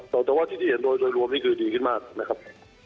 แต่ว่าที่เห็นโดยรวมนี่คือดีขึ้นมากนะครับ